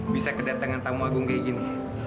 bisa kedatangan tamu agung kayak gini